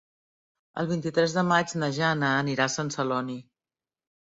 El vint-i-tres de maig na Jana anirà a Sant Celoni.